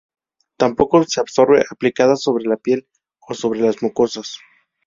Tampoco se absorbe aplicada sobre la piel o sobre las mucosas.